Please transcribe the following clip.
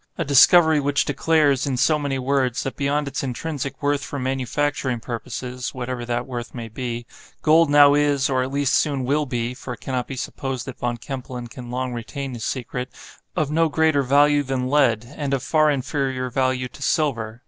a discovery which declares, in so many words, that beyond its intrinsic worth for manufacturing purposes (whatever that worth may be), gold now is, or at least soon will be (for it cannot be supposed that Von Kempelen can long retain his secret), of no greater value than lead, and of far inferior value to silver.